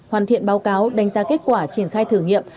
hoàn thiện báo cáo đánh giá kết quả triển khai thử nghiệm